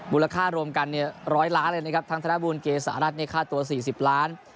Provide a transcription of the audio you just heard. มูลค่ารวมกัน๑๐๐ล้านทางธนบูรณ์เกษารัฐค่าตัว๔๐ล้าน